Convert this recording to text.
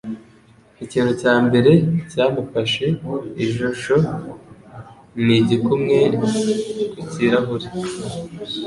Ikintu cya mbere cyamufashe ijisho ni igikumwe ku kirahure.